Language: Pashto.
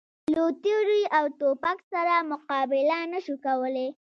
له تورې او توپک سره مقابله نه شو کولای.